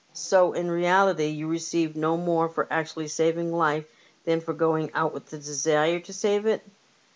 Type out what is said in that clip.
" So that in reality you receive no more for actually saving life than for going out with the desire to save it